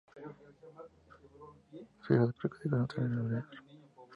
Su madre era hija del predicador luterano Julius Rupp.